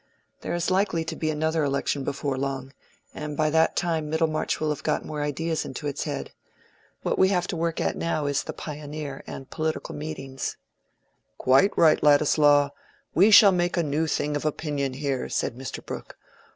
There is likely to be another election before long, and by that time Middlemarch will have got more ideas into its head. What we have to work at now is the 'Pioneer' and political meetings." "Quite right, Ladislaw; we shall make a new thing of opinion here," said Mr. Brooke.